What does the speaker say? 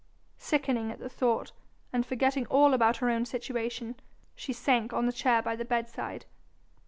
Sickening at the thought, and forgetting all about her own situation, she sank on the chair by the bedside.